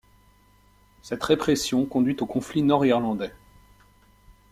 Cette répression conduit au conflit nord-irlandais.